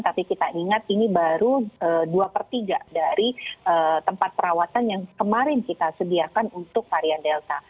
tapi kita ingat ini baru dua per tiga dari tempat perawatan yang kemarin kita sediakan untuk varian delta